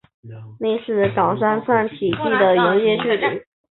内是冈山站起计的营业距离。